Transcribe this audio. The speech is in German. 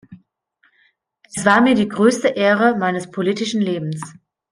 Es war mir die größte Ehre meines politischen Lebens.